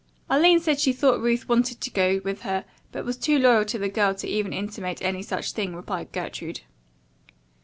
"Arline said she thought Ruth wanted to go with her, but was too loyal to the other girl to even intimate any such thing," replied Gertrude.